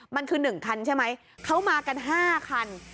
มันคือ๑คันใช่ไหมเขามากัน๕คัน